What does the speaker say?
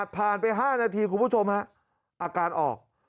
ผ่านไป๕นาทีคุณผู้ชมฮะอาการออก